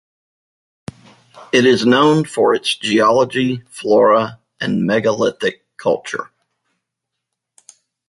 It is known for its geology, flora and megalithic culture.